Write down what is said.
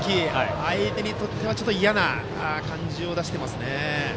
相手にとっては嫌な感じを出していますね。